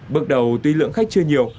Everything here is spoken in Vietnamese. bước đầu tuy lượng khách chưa nhiều